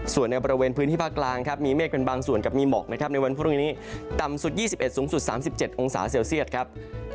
ส่วนในบริเวณพื้นที่ภาคกลางครับมีเมฆเป็นบางส่วนกับมีหมอกนะครับในวันพรุ่งนี้ต่ำสุด๒๑สูงสุด๓๗องศาเซลเซียตครับ